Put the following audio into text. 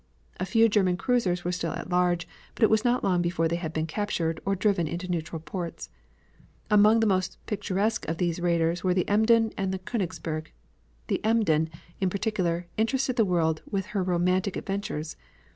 A few German cruisers were still at large but it was not long before they had been captured, or driven into neutral ports. Among the most picturesque of these raiders were the Emden and the Koenigsberg. The Emden, in particular, interested the world with her romantic adventures.